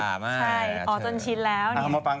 สวัสดีอย่าง